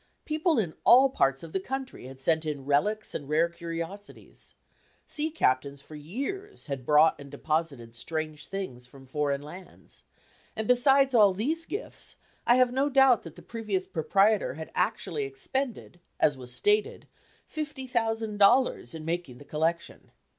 People in all parts of the country had sent in relics and rare curiosities; sea captains, for years, had brought and deposited strange things from foreign lands; and besides all these gifts, I have no doubt that the previous proprietor had actually expended, as was stated, $50,000 in making the collection.